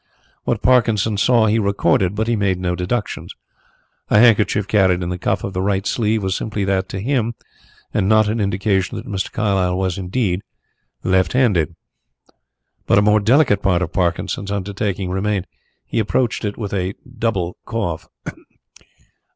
What Parkinson saw he recorded, but he made no deductions. A handkerchief carried in the cuff of the right sleeve was simply that to him and not an indication that Mr. Carlyle was, indeed, left handed. But a more delicate part of Parkinson's undertaking remained. He approached it with a double cough.